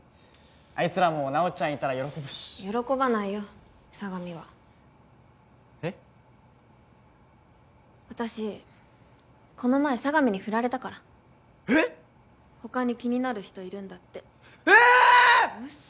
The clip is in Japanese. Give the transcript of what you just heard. あいつらも奈緒ちゃんいたら喜ぶし喜ばないよ佐神はえっ私この前佐神にフラれたからえっ！？他に気になる人いるんだってえーっ！？